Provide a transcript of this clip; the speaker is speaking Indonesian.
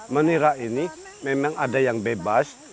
menira ini memang ada yang bebas